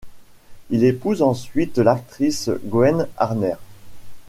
Il épouse ensuite l'actrice Gwen Arner.